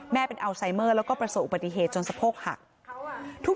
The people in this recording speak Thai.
เป็นอัลไซเมอร์แล้วก็ประสบอุบัติเหตุจนสะโพกหัก